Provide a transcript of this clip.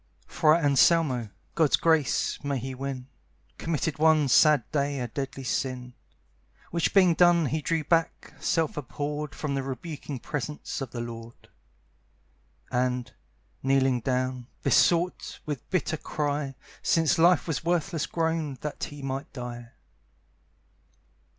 Friar Anselmo (God's grace may he win!) Committed one sad day a deadly sin; Which being done he drew back, self abhorred, From the rebuking presence of the Lord, And, kneeling down, besought, with bitter cry, Since life was worthless grown, that he might die.